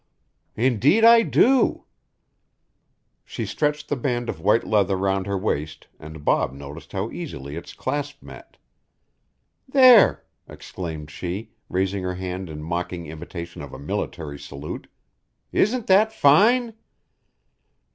"Indeed I do!" She stretched the band of white leather round her waist and Bob noticed how easily its clasp met. "There!" exclaimed she, raising her hand in mocking imitation of a military salute, "isn't that fine?"